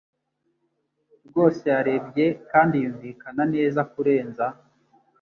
rwose yarebye kandi yumvikana neza kurenza